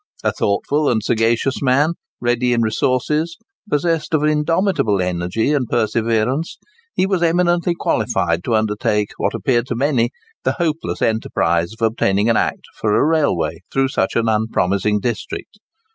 A thoughtful and sagacious man, ready in resources, possessed of indomitable energy and perseverance, he was eminently qualified to undertake what appeared to many the hopeless enterprise of obtaining an Act for a railway through such an unpromising district.